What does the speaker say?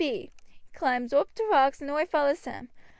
He climbs oop t' rocks and oi follows him.